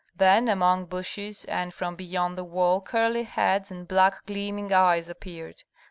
Then among bushes and from beyond the wall curly heads and black gleaming eyes appeared.